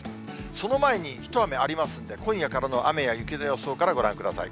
その前に、一雨ありますんで、今夜からの雨や雪の予想からご覧ください。